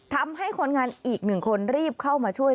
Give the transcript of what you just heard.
ทำให้คนงานอีกหนึ่งคนรีบเข้ามาช่วย